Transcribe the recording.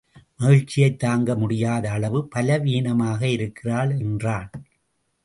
மகிழ்ச்சியைத் தாங்க முடியாத அளவு பலவீனமாக இருக்கிறாள் என்றான்.